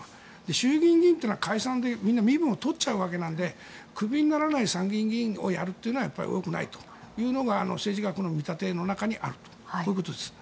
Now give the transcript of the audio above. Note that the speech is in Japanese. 衆議院議員というのは解散で身分を取っちゃうわけなのでクビにならない参議院議員をやるというのはよくないというのが政治学の見立ての中にあるこういうことです。